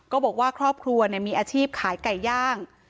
บอกว่าครอบครัวมีอาชีพขายไก่ย่าง